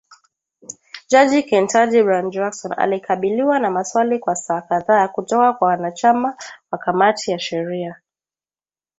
Jaji Ketanji Brown Jackson, alikabiliwa na maswali kwa saa kadhaa kutoka kwa wanachama wa kamati ya sheria.